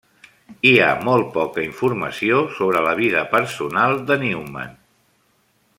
Hi ha molt poca informació sobre la vida personal de Newman.